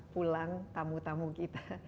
pulang tamu tamu kita